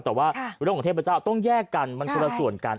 แต่ว่าเรื่องของเทพเจ้าต้องแยกกันมันคนละส่วนกัน